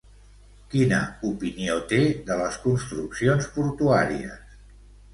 Quina opinió té de les construccions portuàries?